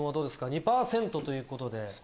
２％ということで。